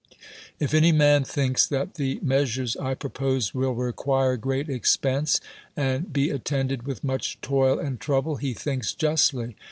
If any man lliink's that llic measures J pro pose will rcrpiirc great expense, and he attended with nnich toil and trouble, he thiuK's juslly.